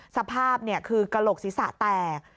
สภาพคือกระโหลกศีรษะแตก